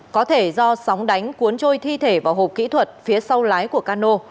có thể do sóng đánh cuốn trôi thi thể vào hộp kỹ thuật phía sau lái của cano